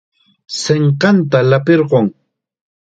Sinqanta llapirqun.